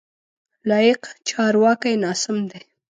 لایق: چارواکی ناسم دی.